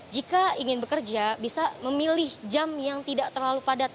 jika ingin bekerja bisa memilih jam yang tidak terlalu padat